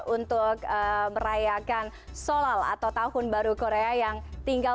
untuk merayakan solal atau tahun baru korea yang tinggal